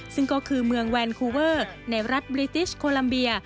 ซึ่งก็คือเมืองแวนคูเวอร์ในรัฐบริติชโคลัมเบีย